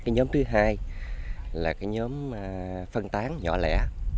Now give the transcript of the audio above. nhóm thứ hai là nhóm phân tán nhỏ lẻ